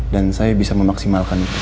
dan saya bisa memaksimalkan itu